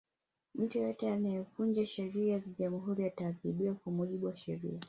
mtu yeyote anayevunja sheria za jamhuri ataadhibiwa kwa mujibu wa sheria